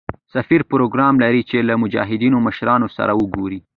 سفیر پروګرام لري چې له مجاهدینو مشرانو سره وګوري.